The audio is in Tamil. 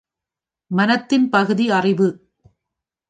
மனத்தின் பகுதி அறிவு.